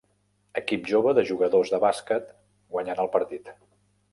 Equip jove de jugadors de bàsquet guanyant el partit.